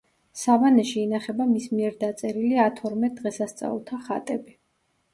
სავანეში ინახება მის მიერ დაწერილი ათორმეტ დღესასწაულთა ხატები.